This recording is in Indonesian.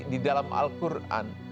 di dalam al quran